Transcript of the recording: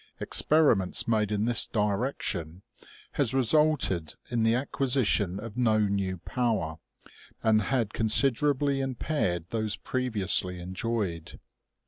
Experiments made in this direction has resulted in the acquisition of no new power, and had con siderably impaired those previously enjoyed.